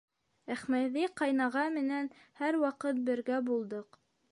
Әхмәҙи ҡайнаға менән һәр ваҡыт бергә булдыҡ.